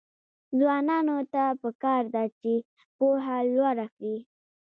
ځوانانو ته پکار ده چې، پوهه لوړه کړي.